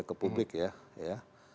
ke publik ya